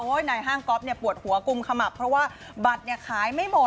นายห้างก๊อฟเนี่ยปวดหัวกุมขมับเพราะว่าบัตรเนี่ยขายไม่หมด